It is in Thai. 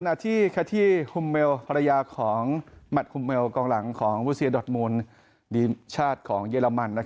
ที่คาที่ฮุมเมลภรรยาของหมัดฮุมเมลกองหลังของวุเซียดอทมูลทีมชาติของเยอรมัน